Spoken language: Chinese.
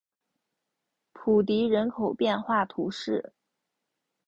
普迪人口变化图示